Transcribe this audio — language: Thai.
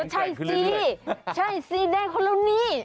ใช่สิใช่สิได้เขาแล้วนี่